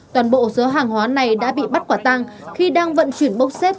toàn bộ số hàng hóa này đã bị bắt quả tăng khi đang vận chuyển bốc xếp